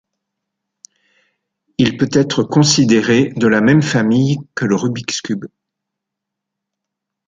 Il peut être considéré de la même famille que le Rubik's Cube.